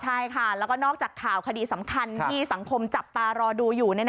ใช่ค่ะแล้วก็นอกจากข่าวคดีสำคัญที่สังคมจับตารอดูอยู่